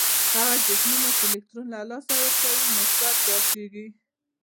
هغه جسمونه چې الکترون له لاسه ورکوي مثبت چارجیږي.